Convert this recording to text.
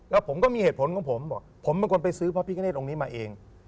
แล้วผมก็มีเหตุผลของผมบอกผมเป็นคนไปซื้อพระพิกาเนตองค์นี้มาเอง